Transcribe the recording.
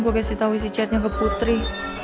gue kasih tau isi chatnya ke putri